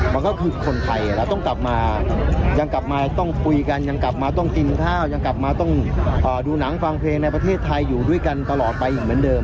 มันก็คือคนไทยเราต้องกลับมายังกลับมาต้องคุยกันยังกลับมาต้องกินข้าวยังกลับมาต้องดูหนังฟังเพลงในประเทศไทยอยู่ด้วยกันตลอดไปอีกเหมือนเดิม